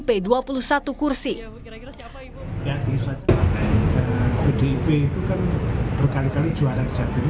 pdip itu kan berkali kali juara di jatim